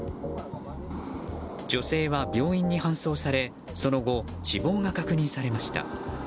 女性は病院に搬送されその後、死亡が確認されました。